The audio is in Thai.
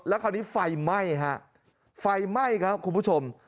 แล้วคราวนี้ไฟไหม้ครับไฟไหม้ครับคุณผู้ชม